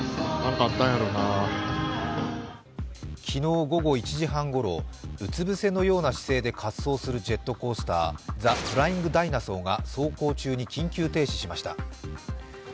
昨日午後１時半ごろ、うつ伏せのような姿勢で滑走するジェットコースター、ザ・フライング・ダイナソーが走行中に緊急停止しました。